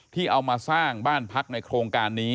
ที่เอามาสร้างบ้านพักในโครงการนี้